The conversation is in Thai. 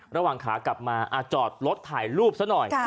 ระหว่างขากลับมาจอดรถถ่ายรูปซะหน่อย